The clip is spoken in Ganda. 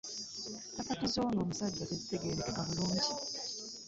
Kyapati zonno omusajja tezitegerekeka bulungi.